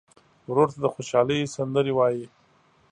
ورور ته د خوشحالۍ سندرې وایې.